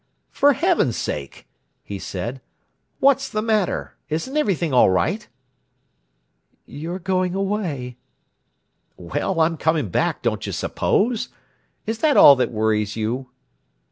"For heaven's sake!" he said. "What's the matter? Isn't everything all right?" "You're going away!" "Well, I'm coming back, don't you suppose? Is that all that worries you?"